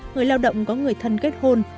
người lao động có người thân kết hôn